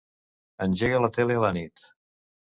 Engega la tele a la nit.